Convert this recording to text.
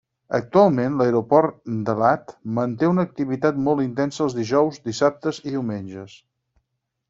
Actualment, l'Aeroport d'Elat manté una activitat molt intensa els dijous, dissabtes i diumenges.